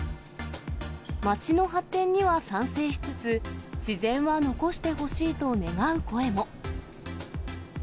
街の発展には賛成しつつ、自然は残してほしいと願う声も。